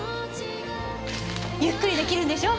ゆっくり出来るんでしょう？